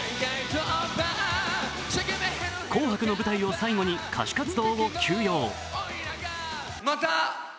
「紅白」の舞台を最後に歌手活動を休養。